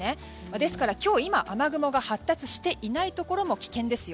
ですから今日雨雲が発達していないところも危険ですよ。